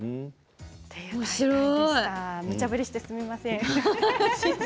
むちゃ振りしてすみません。